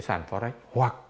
sàn forex hoặc